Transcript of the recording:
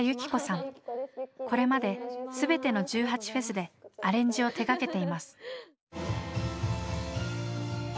これまで全ての１８祭でアレンジを手がけています。